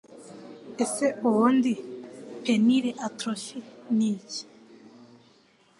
Ese ubundi Penile Atrophy ni iki